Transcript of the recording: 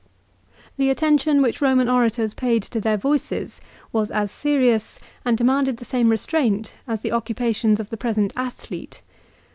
The attention which Eoman orators paid to their voices was as serious, and demanded the same restraint, as the occupations of the present athlete.